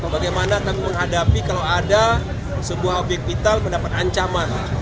bagaimana kami menghadapi kalau ada sebuah obyek vital mendapat ancaman